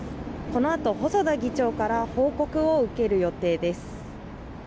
このあと細田議長から報告を受ける予定です。